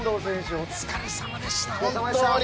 お疲れさまでした、本当に！